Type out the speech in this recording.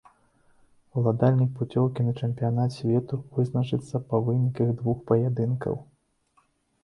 Уладальнік пуцёўкі на чэмпіянат свету вызначыцца па выніках двух паядынкаў.